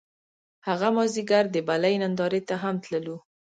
هغه مازیګر د بلۍ نندارې ته هم تللو